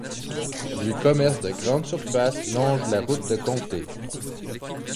Du commerce de grande surface longe la route de comté.